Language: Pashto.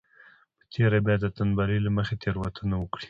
په تېره بيا د تنبلۍ له مخې تېروتنه وکړي.